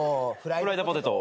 フライドポテト。